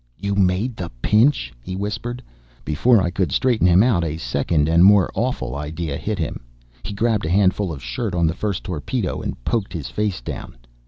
"You made the pinch," he whispered. Before I could straighten him out a second and more awful idea hit him. He grabbed a handful of shirt on the first torpedo and poked his face down.